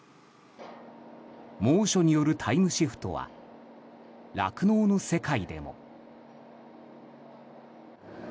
猛暑によるタイムシフトは酪農の世界でも。